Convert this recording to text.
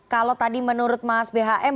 kalau tadi menurut mas bhm